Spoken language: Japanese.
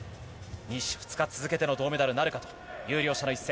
２日続けと銅メダルなるかという、両者の一戦。